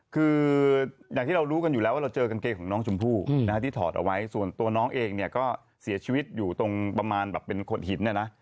คืออย่างที่เรารู้กันอยู่แล้วว่าเราเจอกางเกงของน้องชมพู่ที่ถอดเอาไว้ส่วนตัวน้องเองเนี่ยก็เสียชีวิตอยู่ตรงประมาณแบบเป็นขดหินเนี่ยนะ